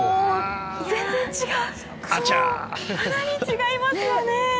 かなり違いますよね。